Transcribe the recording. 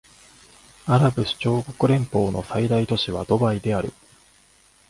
アラブ首長国連邦の最大都市はドバイである